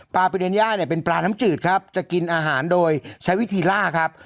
ประเด็นย่าเนี่ยเป็นปลาน้ำจืดครับจะกินอาหารโดยใช้วิธีล่าครับ